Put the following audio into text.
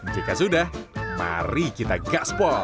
jika sudah mari kita gaspol